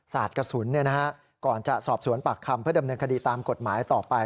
สาดกระสุนก่อนจะสอบสวนปากคำเพื่อดำเนินคดีตามกฎหมายต่อไป